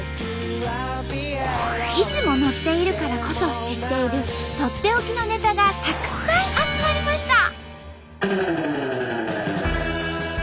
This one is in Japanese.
いつも乗っているからこそ知っているとっておきのネタがたくさん集まりました！